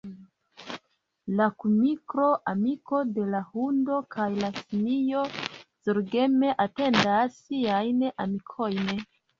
La kuniklo, amiko de la hundo kaj la simio, zorgeme atendas siajn amikojn.